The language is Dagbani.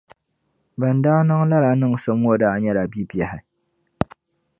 Ban daa niŋ lala niŋsim ŋɔ daa nɛyla bibiɛhi.